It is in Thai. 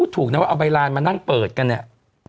ถูกนะว่าเอาใบลานมานั่งเปิดกันเนี่ย